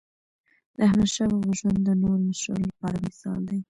داحمدشاه بابا ژوند د نورو مشرانو لپاره مثال دی.